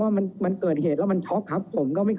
เรามีการปิดบันทึกจับกลุ่มเขาหรือหลังเกิดเหตุแล้วเนี่ย